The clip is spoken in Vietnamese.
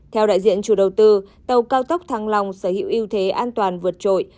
theo đại diện chủ đầu tư tàu cao tốc thăng long sở hữu ưu thế an toàn vượt trội